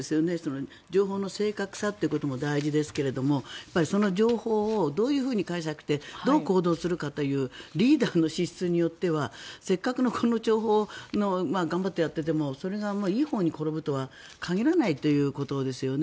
情報の正確さということも大事ですけどもその情報をどういうふうに解釈してどう行動するかというリーダーの資質によってはせっかくの、この諜報を頑張ってやっていてもそれがいいほうに転ぶとは限らないということですよね。